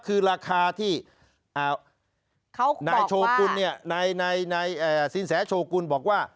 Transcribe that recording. คือราคาที่นายโชว์กุลในสินแสโชว์กุลบอกว่า